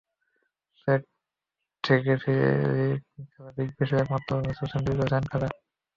চোট থেকে ফিরে খেলা বিগ ব্যাশের একমাত্র ম্যাচেও সেঞ্চুরি করেছিলেন খাজা।